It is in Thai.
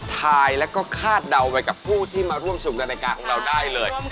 ถ่ายแล้วก็คาดเดาไปกับผู้ที่มาร่วมสนุกในรายการของเราได้เลย